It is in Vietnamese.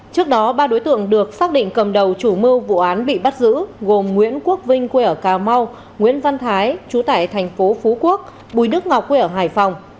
trước đó ba đối tượng được xác định cầm đầu chủ mưu vụ án bị bắt giữ gồm nguyễn quốc vinh quê ở cà mau nguyễn văn thái chú tải thành phố phú quốc bùi đức ngọc quê ở hải phòng